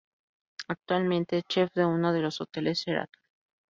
Actualmente, es chef de uno de los hoteles Sheraton.